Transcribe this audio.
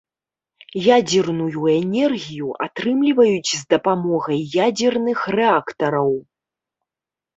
Ядзерную энергію атрымліваюць з дапамогай ядзерных рэактараў.